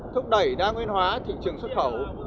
thúc đẩy đa nguyên hóa thị trường xuất khẩu